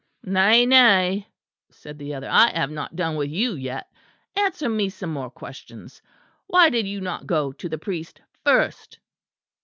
"Nay, nay," said the other, "I have not done with you yet. Answer me some more questions. Why did you not go to the priest first?"